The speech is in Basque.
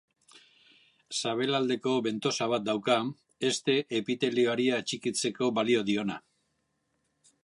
Sabelaldeko bentosa bat dauka, heste-epitelioari atxikitzeko balio diona.